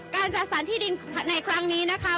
การจัดสรรที่ดินในครั้งนี้นะคะ